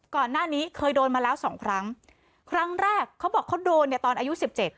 ก่อนหน้านี้เคยโดนมาแล้วสองครั้งครั้งแรกเขาบอกเขาโดนเนี่ยตอนอายุสิบเจ็ด